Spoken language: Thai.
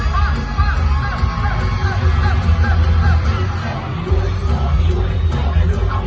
พอเผื่อพอเสียเหลือหายห่วงก็ซื้อควบห่วงพอ